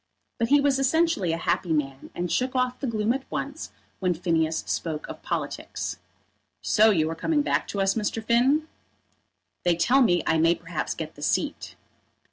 But he was essentially a happy man, and shook off the gloom at once when Phineas spoke of politics. "So you are coming back to us, Mr. Finn?" "They tell me I may perhaps get the seat."